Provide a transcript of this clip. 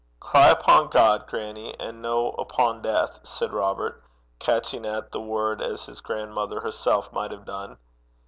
'Cry upo' God, grannie, an' no upo' deith,' said Robert, catching at the word as his grandmother herself might have done.